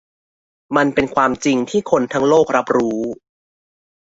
มันเป็นความจริงที่คนทั้งโลกรับรู้